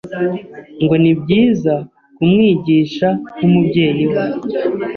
Ngo ni byiza kumwigisha nk’umubyeyi we